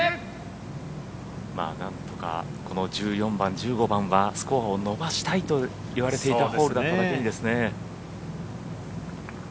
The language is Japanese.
何とかこの１４番、１５番はスコアを伸ばしたいと言われていたホールだっただけにですね。